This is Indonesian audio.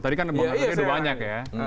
tadi kan banyak ya